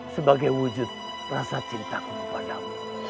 sebagai wujud rasa cintaku kepada mu